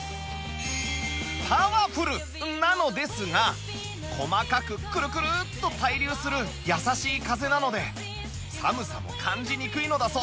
パワフルなのですが細かくくるくるっと対流する優しい風なので寒さも感じにくいのだそう